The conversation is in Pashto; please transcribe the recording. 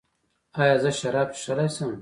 ایا زه شراب څښلی شم؟